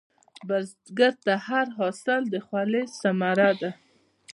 بزګر ته هر حاصل د خولې ثمره ده